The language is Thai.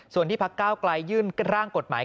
ส่วนที่พักก้าวกลายยื่นร่างกฎหมาย